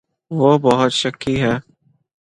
وہ بہت شکی ہے۔